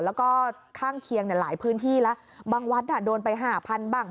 แล้วก็ข้างเคียงหลายพื้นที่แล้วบางวัดโดนไปห้าพันบ้าง